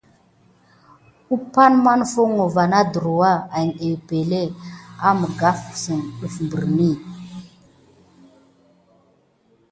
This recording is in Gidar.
Umpay ne mā foŋko va ɗurwa ada epəŋle amagava def perine.